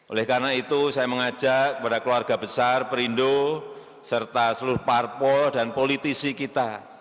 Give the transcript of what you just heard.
oleh karena itu saya mengajak kepada keluarga besar perindo serta seluruh parpol dan politisi kita